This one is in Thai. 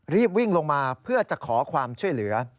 รีบวิ่งลงมาเพื่อจะขอความช่วยเหลือ